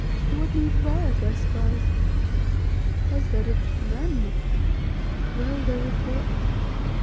"What need have I of thy spies?" "Hes, thou didst command me." "Well, their report?"